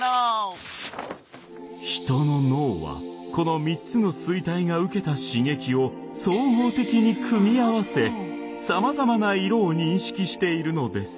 人の脳はこの３つの錐体が受けた刺激を総合的に組み合わせさまざまな色を認識しているのです。